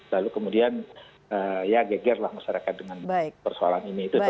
lalu kemudian ya geger lah masyarakat dengan persoalan ini itu